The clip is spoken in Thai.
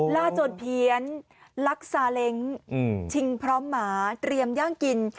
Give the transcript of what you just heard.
จนเพี้ยนลักซาเล้งชิงพร้อมหมาเตรียมย่างกิน